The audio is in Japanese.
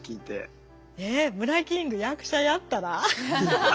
えムラキング役者やったら？